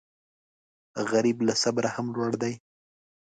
غریب له صبره هم لوړ دی